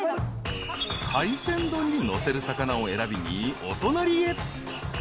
［海鮮丼にのせる魚を選びにお隣へ］